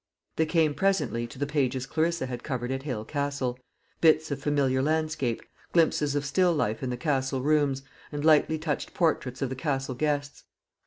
They came presently to the pages Clarissa had covered at Hale Castle bits of familiar landscape, glimpses of still life in the Castle rooms, and lightly touched portraits of the Castle guests.